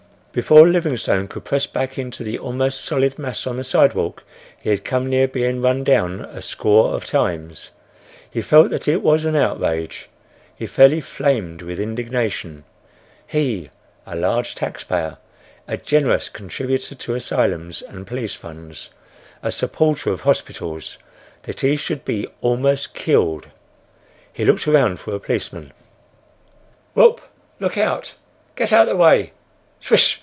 Before Livingstone could press back into the almost solid mass on the sidewalk he had come near being run down a score of times. He felt that it was an outrage. He fairly flamed with indignation. He, a large taxpayer, a generous contributor to asylums and police funds, a supporter of hospitals,—that he should be almost killed! He looked around for a policeman— "Whoop! Look out! Get out the way!" Swish!